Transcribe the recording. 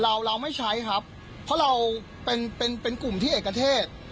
เราเราไม่ใช้ครับเพราะเราเป็นเป็นกลุ่มที่เอกเทศ